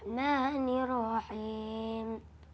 apakah mereka tidak berjalan di bumi